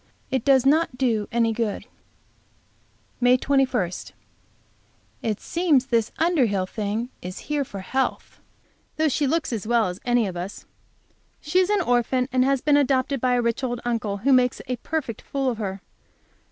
It does not do any good. May 21. It seems this Underhill thing is here for health, though she looks as well as any of us. She is an orphan, and has been adopted by a rich old uncle, who makes a perfect fool of her.